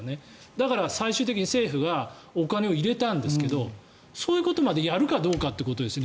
だから最終的に政府がお金を入れたんですがそういうことまでやるかどうかということですよね。